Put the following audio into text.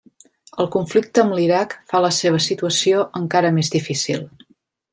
El conflicte amb l'Iraq fa la seva situació encara més difícil.